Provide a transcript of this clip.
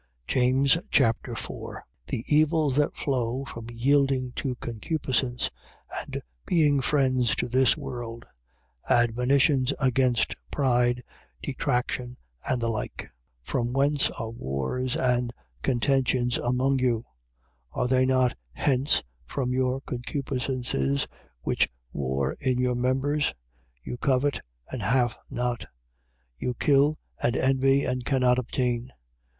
James Chapter 4 The evils that flow from yielding to concupiscence and being friends to this world. Admonitions against pride, detraction and the like. 4:1. From whence are wars and contentions among you? Are they not hence, from your concupiscences, which war in your members? 4:2. You covet, and have not: you kill and envy and cannot obtain.